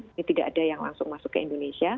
ini tidak ada yang langsung masuk ke indonesia